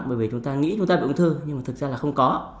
bởi vì chúng ta nghĩ chúng ta bị ung thư nhưng mà thực ra là không có